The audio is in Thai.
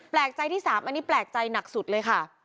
แปลกใจที่๓อันนี้แปลกใจหนักสุดเลยค่ะ